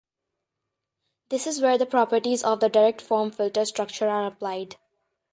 This is where the properties of the direct-form filter structure are applied.